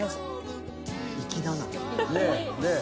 ねえ。